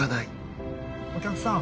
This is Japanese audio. お客さん